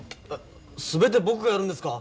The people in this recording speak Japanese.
全て僕がやるんですか。